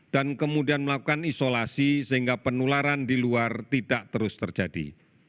dan kemudian melakukan isolasi sehingga penularan di luar tidak terus terjadi